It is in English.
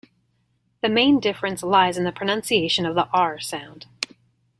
The main difference lies in the pronunciation of the "r" sound.